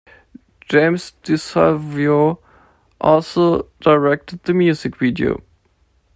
James Di Salvio also directed the music video.